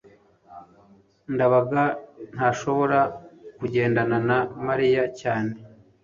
ndabaga ntashobora kugendana na mariya cyane